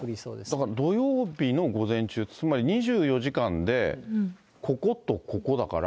だから土曜日の午前中、つまり２４時間でこことここだから。